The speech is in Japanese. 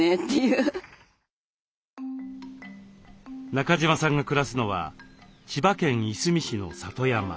中島さんが暮らすのは千葉県いすみ市の里山。